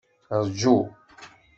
Ṛju.